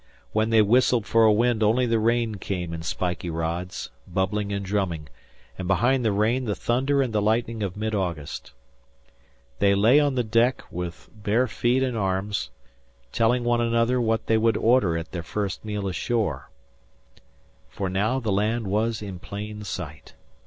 When they whistled for a wind only the rain came in spiky rods, bubbling and drumming, and behind the rain the thunder and the lightning of mid August. They lay on the deck with bare feet and arms, telling one another what they would order at their first meal ashore; for now the land was in plain sight.